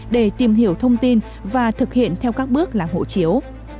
để tìm hiểu thông tin và thực hiện theo các bước làm hộ chiếu